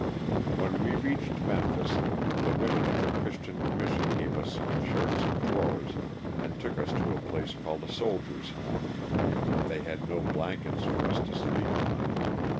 When we reached Memphis the women of the Christian Commission gave us some shirts and drawers and took us to a place called a soldier's home, but they had no blankets for us to sleep on.